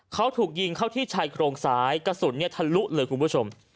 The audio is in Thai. เขาถูกยิงเข้าที่ชายโครงซ้ายกระสุนทะลุเลยคุณผู้ชม